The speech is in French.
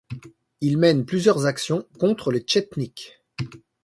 Il mène plusieurs actions contre les Tchetniks.